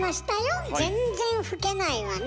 全然老けないわね。